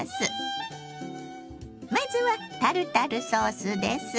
まずはタルタルソースです。